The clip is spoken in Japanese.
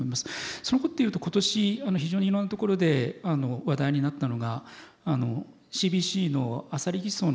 そのことでいうと今年非常にいろんなところで話題になったのがＣＢＣのアサリ偽装の問題ではないのかなと思います。